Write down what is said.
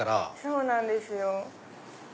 そうなんですよ。